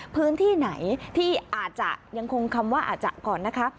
พื้นที่ไหนที่อาจจะยังคงคำว่าอาจจะก่อนนะคะ